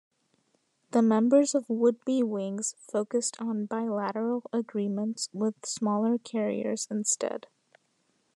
The members of would-be Wings focused on bilateral agreements with smaller carriers instead.